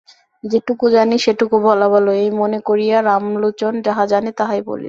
যেটুকু জানি সেটুকু বলা ভালো, এই মনে করিয়া রামলোচন যাহা জানে তাহাই বলিল।